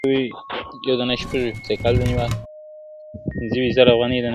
o اول ئې تله، بيا ئې وايه٫